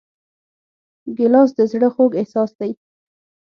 ګیلاس د زړه خوږ احساس دی.